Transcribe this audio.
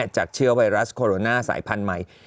จากเชื้อไวรัสโคโรนาสายพันธุ์ใหม่